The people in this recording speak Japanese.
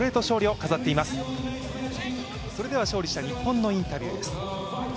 勝利した日本のインタビューです。